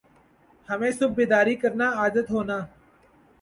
ہمیں صبح بیداری کرنا عادت ہونا